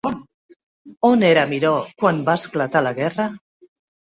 On era Miró quan va esclatar la guerra?